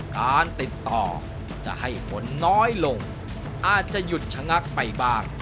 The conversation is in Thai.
การติดต่อจะให้ผลน้อยลงอาจจะหยุดชะงักไปบ้าง